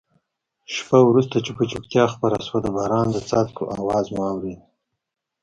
شېبه وروسته چوپه چوپتیا خپره شوه، د باران د څاڅکو آواز مو اورېده.